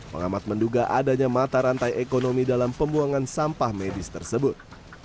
pengamat menduga adanya mata rantai ekonomi dalam pembuangan sampah medis tersebut